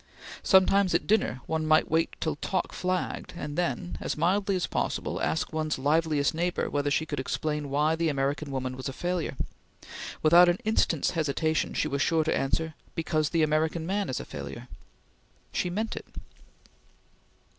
Sometimes, at dinner, one might wait till talk flagged, and then, as mildly as possible, ask one's liveliest neighbor whether she could explain why the American woman was a failure. Without an instant's hesitation, she was sure to answer: "Because the American man is a failure!" She meant it.